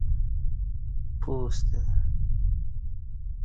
پُوستہ